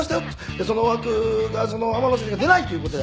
でその枠が天野先生が出ないということで。